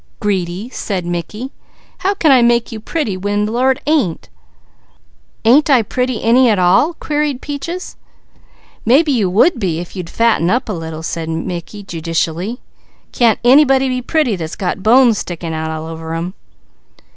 "Greedy!" said Mickey. "How can I make you pretty when the Lord didn't!" "Ain't I pretty any at all?" queried Peaches. "Mebby you would be if you'd fatten up a little," said Mickey judicially. "Can't anybody be pretty that's got bones sticking out all over them."